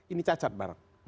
ini cacat barang